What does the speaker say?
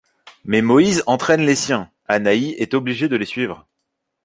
Mais Moïse entraîne les siens, Anaï est obligée de les suivre.